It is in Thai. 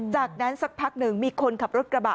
จากนั้นสักพักหนึ่งมีคนขับรถกระบะ